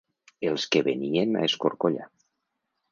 Els que venien a escorcollar.